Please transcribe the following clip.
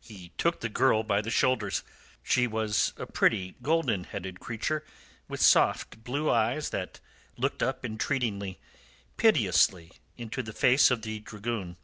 He took the girl by the shoulders. She was a pretty, golden headed creature, with soft blue eyes that looked up entreatingly, piteously into the face of the dragoon.